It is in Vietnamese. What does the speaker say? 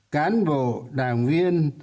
cán bộ đảng viên